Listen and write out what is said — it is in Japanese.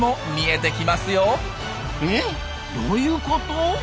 えどういうこと？